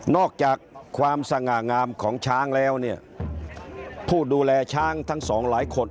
อกจากความสง่างามของช้างแล้วเนี่ยผู้ดูแลช้างทั้งสองหลายคน